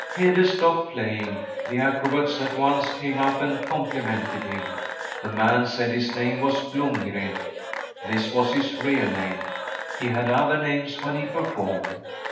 Hede stopped playing. The acrobats at once came up and complimented him. The man said his name was Blomgren. That was his real name ; he had other names when he performed.